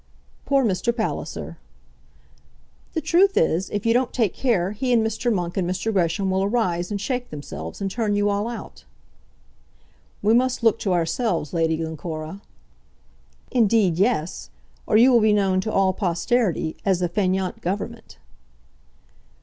"Poor Mr. Palliser!" "The truth is, if you don't take care he and Mr. Monk and Mr. Gresham will arise and shake themselves, and turn you all out." "We must look to ourselves, Lady Glencora." "Indeed, yes; or you will be known to all posterity as the fainéant government."